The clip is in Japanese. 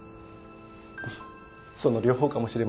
その両方かもしれませんね。